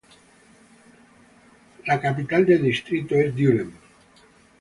La capital de distrito es Düren.